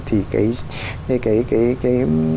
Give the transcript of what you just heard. thì cái cái cái cái